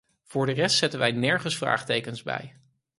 Voor de rest zetten wij nergens vraagtekens bij.